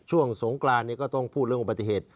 สงกรานก็ต้องพูดเรื่องอุบัติเหตุ